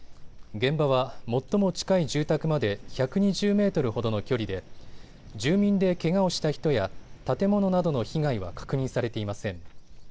現場は最も近い住宅まで１２０メートルほどの距離で住民でけがをした人や建物などの被害は確認されていません。